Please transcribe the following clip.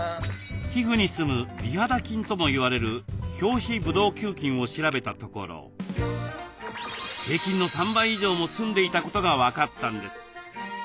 皮膚にすむ美肌菌ともいわれる表皮ブドウ球菌を調べたところ平均の３倍以上もすんでいたことが分かったんです。